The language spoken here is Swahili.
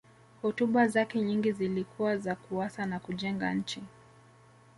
hotuba zake nyingi zilikuwa za kuasa na kujenga nchi